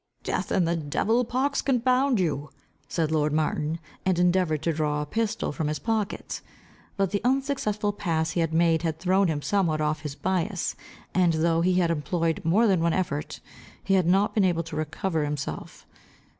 "Death and the devil! Pox confound you!" said lord Martin, and endeavoured to draw a pistol from his pocket. But the unsuccessful pass he had made had thrown him somewhat off his bias, and though he had employed more than one effort, he had not been able to recover himself.